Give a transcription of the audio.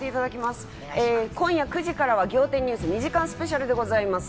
今夜９時からは『仰天ニュース』２時間スペシャルでございます。